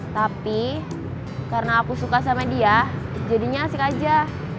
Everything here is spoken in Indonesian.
tapi karena aku suka sama dia jadinya asik aja